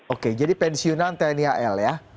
oke jadi pensiunan tni al ya